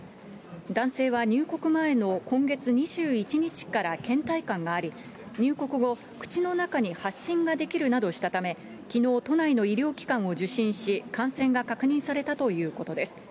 男性は入国前の今月２１日からけん怠感があり、入国後、口の中に発疹が出来るなどしたため、きのう、都内の医療機関を受診し、感染が確認されたということです。